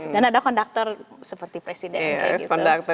dan ada konduktor seperti presiden kayak gitu